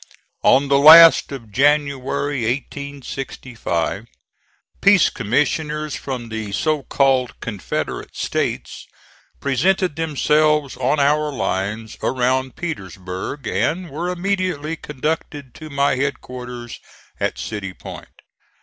On the last of January, 1865, peace commissioners from the so called Confederate States presented themselves on our lines around Petersburg, and were immediately conducted to my headquarters at City Point.